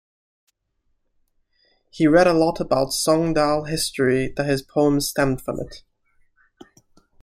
He read a lot about Sogndal history that his poems stemmed from it.